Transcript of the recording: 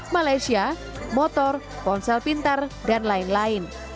malaysia motor ponsel pintar dan lain lain